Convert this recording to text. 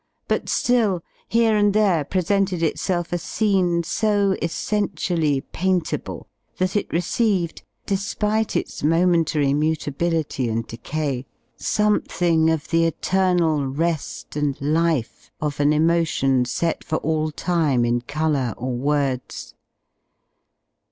But ^ill, here and there presented itself a scene so essentially paintable that it received, despite its momentary mutability and decay, something of the eternal rejH: and life of an emotion set for ^ all time in colour or words.